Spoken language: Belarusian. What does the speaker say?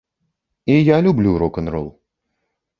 І я люблю рок-н-рол.